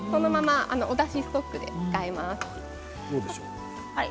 おだしストックとして使います。